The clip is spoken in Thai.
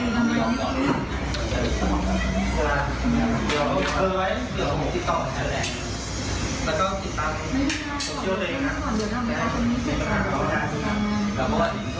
ไล่เขียวดูสิครับ